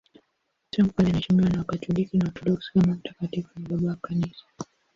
Tangu kale anaheshimiwa na Wakatoliki na Waorthodoksi kama mtakatifu na Baba wa Kanisa.